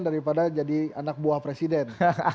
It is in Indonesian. daripada jadi anak buah presiden